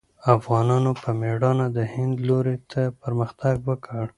افغانانو په مېړانه د هند لوري ته پرمختګ وکړ.